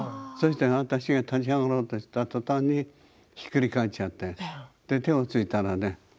私が立ち上がろうとしたとたんにひっくり返っちゃって手をついたらね